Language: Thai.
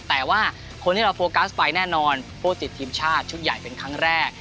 แต่ว่าคนที่เราโฟกัสไปแน่นอนผู้ติดทีมชาติชุดใหญ่เป็นครั้งแรก